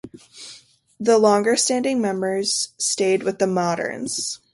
The longer standing members stayed with the Moderns.